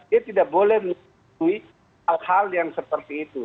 ini tidak boleh menentui hal hal yang seperti itu